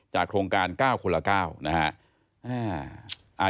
โครงการ๙คนละ๙นะฮะ